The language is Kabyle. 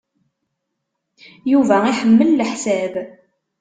Yuba iḥemmel leḥsab.